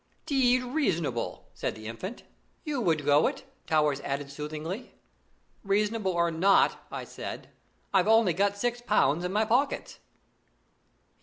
"D d reasonable!" said the Infant. "You would go it!" Towers added soothingly. "Reasonable or not," I said, "I've only got six pounds in my pockets."